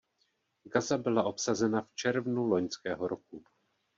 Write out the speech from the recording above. Gaza byla obsazena v červnu loňského roku.